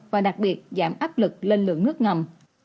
việc giảm áp lực lên lượng nước ngầm